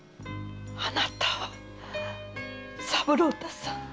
あなたは三郎太さん？